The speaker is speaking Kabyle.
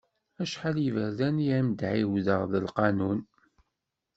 Acḥal iberdan i am-d-ɛiwdeɣ, d lqanun.